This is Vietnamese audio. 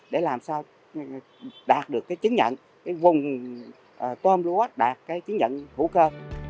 để làm sao đạt được cái chứng nhận cái vùng tôm lúa đạt cái chứng nhận hữu cơ